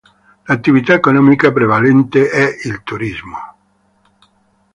L'attività economica prevalente è il turismo.